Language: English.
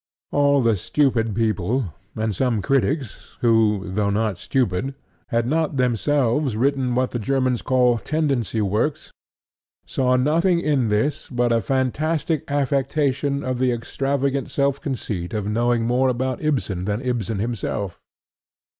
All the stupid people, and some critics who, though not stupid, had not themselves written what the Germans call "tendency" works, saw nothing in this but a fantastic affectation of the extravagant self conceit of knowing more about Ibsen than Ibsen himself.